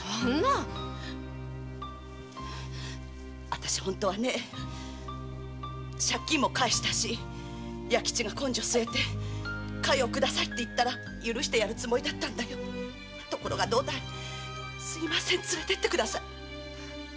私は本当はね借金も返したし弥吉が根性を据えてお加代を下さいと言ったら許すつもりだったのところがどうだいすみません連れてって下さい。